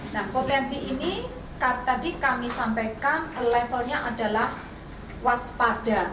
nah potensi ini tadi kami sampaikan levelnya adalah waspada